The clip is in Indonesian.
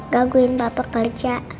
gaguin papa kerja